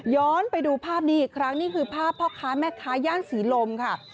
ไปดูภาพนี้อีกครั้งนี่คือภาพพ่อค้าแม่ค้าย่านศรีลมค่ะ